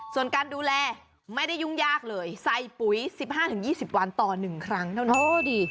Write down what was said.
ส่วนการดูแลไม่ได้ยุ่งยากเลยใส่ปุ๋ย๑๕๒๐วันต่อ๑ครั้งเท่านั้นโอ้ดี